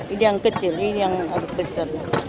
ini yang kecil ini yang harus besar